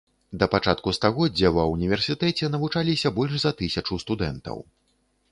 Да пачатку стагоддзя ва ўніверсітэце навучаліся больш за тысячу студэнтаў.